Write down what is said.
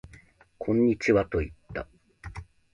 こんにちはと言った